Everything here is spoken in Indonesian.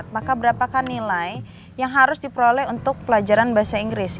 maka berapakah nilai yang harus diperoleh untuk pelajaran bahasa inggris